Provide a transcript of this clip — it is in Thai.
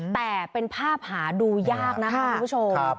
แต่เป็นภาพหาดูยากนะคะคุณผู้ชม